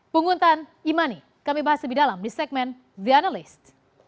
pungutan e money kami bahas lebih dalam di segmen the analyst